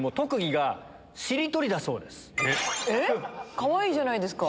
かわいいじゃないですか。